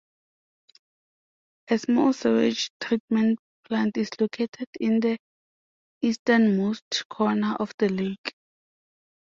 A small sewage treatment plant is located in the easternmost corner of the lake.